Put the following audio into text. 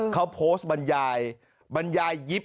เขาโพสต์บรรยายยิป